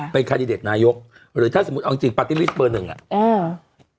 เป็นคาดิเดตนายกหรือถ้าสมมุติเอาจริงปาร์ตี้ลิสต์เบอร์หนึ่งอ่ะอ่า